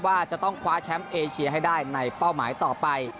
ว่าจะต้องคว้าแชมป์เอเชียให้ได้ในเป้าหมายต่อไป